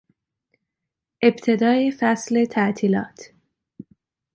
ابتدای فصل تعطیلات